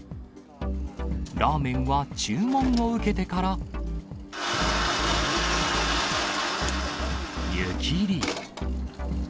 ラーメンは注文を受けてから、湯切り。